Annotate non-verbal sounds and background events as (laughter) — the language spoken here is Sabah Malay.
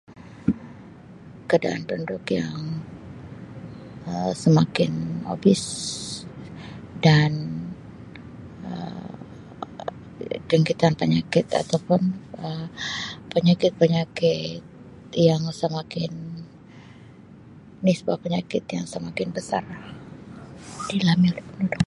Keadaan penduduk yang Um semakin obese dan Um jangkitan penyakit atau pun Um (noise) penyakit-penyakit yang semakin, nisbah penyakit yang semakin besarlah di dalam diri penduduk.